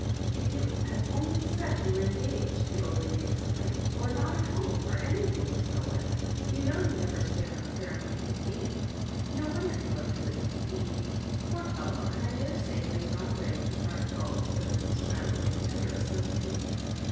If you had only said you were engaged," the old lady exdaimed, " or not at home — or any thing, Lucilla I You know you need never stand on ceremony with me. No wonder be looked as if he could eat me ! Poor fellow 1 and I dare say he has gone away with his heart full," said Mrs. Chiley, with the tenderest sympathy.